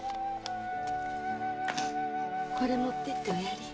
これ持ってっておやり。